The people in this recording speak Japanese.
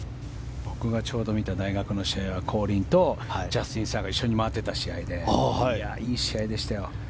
僕がちょうど見た大学の試合はコリンとジャスティン・サーが一緒に回っていた試合でいい試合でしたよ。